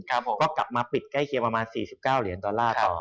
ก็กลับมาปิดใกล้เคียงประมาณ๔๙เหรียญดอลลาร์ต่อ